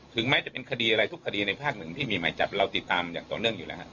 แม้จะเป็นคดีอะไรทุกคดีในภาคหนึ่งที่มีหมายจับเราติดตามอย่างต่อเนื่องอยู่แล้วฮะ